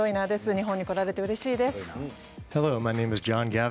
日本に来られてうれしいです。